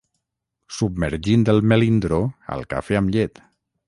Submergint el melindro al cafè amb llet.